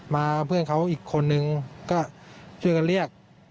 เพื่อนเขาอีกคนนึงก็ช่วยกันเรียก